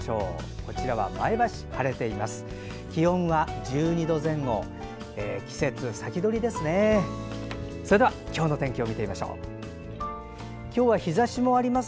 こちらは前橋、晴れています。